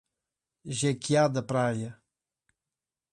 Jequiá da Praia